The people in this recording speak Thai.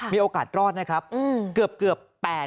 มีโอกาสรอดนะครับเกือบ๘๐๐